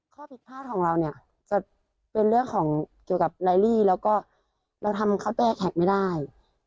ข้อผิดพลาดของเราเนี่ยจะเป็นเรื่องของเกี่ยวกับไลลี่แล้วก็เราทำคาเฟ่แขกไม่ได้